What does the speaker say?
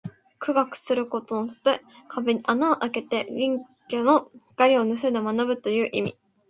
苦学することのたとえ。壁に穴をあけて隣家の光をぬすんで学ぶという意味。